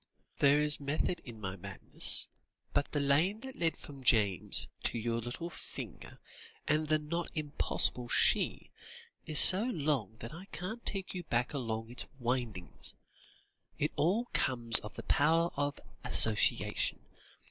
"There is method in my madness, but the lane that led from James to your little finger, and the not impossible she, is so long that I can't take you back along its windings. It all comes of the power of association.